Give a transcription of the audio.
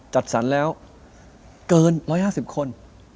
จัดสรรแล้วเกิน๑๕๐คน